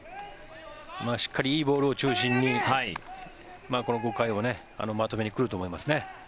しっかりいいボールを中心にこの５回をまとめにくると思いますね。